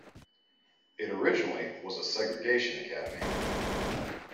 It originally was a segregation academy.